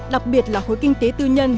đặc biệt là khối kinh tế tư nhân